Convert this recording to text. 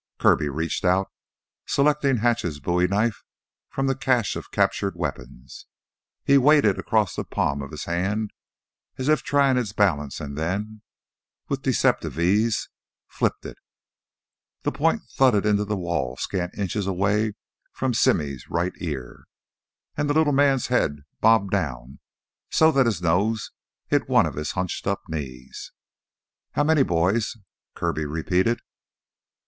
Kirby reached out, selecting Hatch's bowie knife from the cache of captured weapons. He weighed it across the palm of his hand as if trying its balance and then, with deceptive ease, flipped it. The point thudded into the wall scant inches away from Simmy's right ear, and the little man's head bobbed down so that his nose hit one of his hunched up knees. "How many 'boys'?" Kirby repeated.